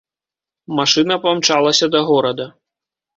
Машына памчалася да горада.